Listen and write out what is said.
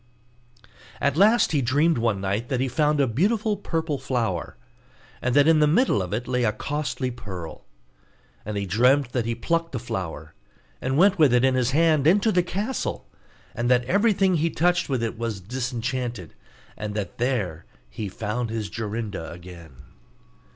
At last he dreamt one night that he found a beautiful purple flower, and that in the middle of it lay a costly pearl; and he dreamt that he plucked the flower, and went with it in his hand into the castle, and that everything he touched with it was disenchanted, and that there he found his Jorinda again.